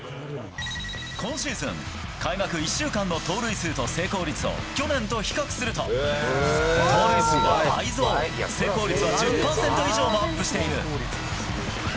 今シーズン、開幕１週間の盗塁数と成功率を去年と比較すると、盗塁数は倍増、成功率は１０％以上もアップしている。